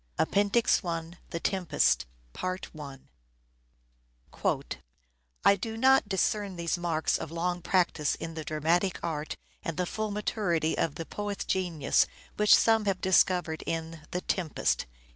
APPENDIX I " THE TEMPEST "" I DO not discern those marks of long practice in the dramatic art and the full maturity of the poet's genius which some have discovered in (The Tempest)."